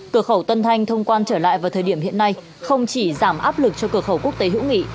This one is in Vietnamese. cửa khẩu tân thanh thông quan trở lại vào thời điểm hiện nay không chỉ giảm áp lực cho cửa khẩu quốc tế hữu nghị